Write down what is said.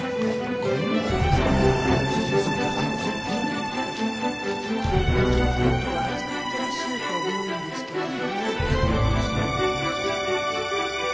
このコートを扱ってらっしゃると思うんですけれども。